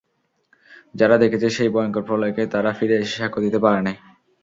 যারা দেখেছে সেই ভয়ংকর প্রলয়কে, তারা ফিরে এসে সাক্ষ্য দিতে পারেনি।